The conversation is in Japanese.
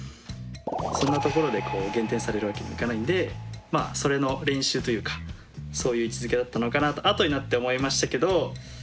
そんなところで減点されるわけにはいかないんでまあそれの練習というかそういう位置づけだったのかなとあとになって思いましたけど。